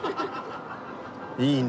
いいね。